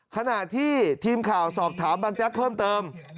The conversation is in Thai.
ขณะที่ทีมข่าวสอบถามบางแจ๊กเพิ่มเติม